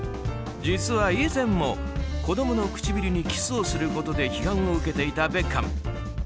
実は以前も、子供の唇にキスをすることで批判を受けていたベッカム。